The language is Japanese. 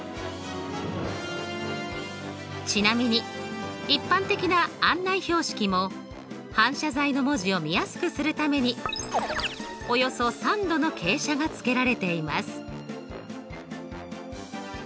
ちなみに一般的な案内標識も反射材の文字を見やすくするためにおよそ３°の傾斜がつけられています。